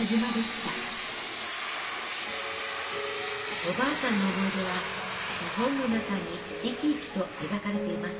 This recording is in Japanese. おばあさんの思い出は絵本の中に生き生きと描かれています。